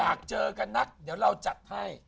อยากเจอกันนักเดี๋ยวเราจัดให้